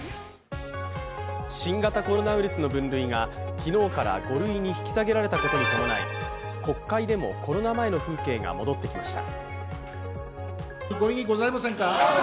新型コロナウイルスの分類が昨日から５類に引き下げられたことに伴い国会でもコロナ前の風景が戻ってきました。